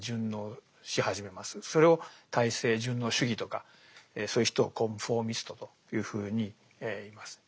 それを体制順応主義とかそういう人をコンフォーミストというふうにいいます。